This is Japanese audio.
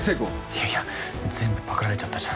いやいや全部パクられちゃったじゃん